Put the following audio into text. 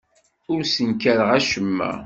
Ur ssenkareɣ acemma.